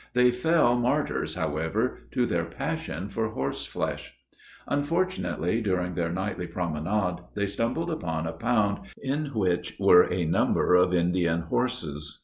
They fell martyrs, however to their passion for horseflesh. Unfortunately, during their nightly promenade, they stumbled upon a pound, in which were a number of Indian horses.